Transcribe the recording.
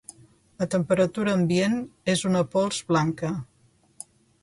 A temperatura ambient és una pols blanca.